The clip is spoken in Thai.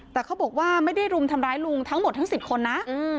แต่เขาบอกว่าไม่ได้รุมทำร้ายลุงทั้งหมดทั้ง๑๐คนนะ